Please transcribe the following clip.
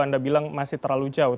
anda bilang masih terlalu jauh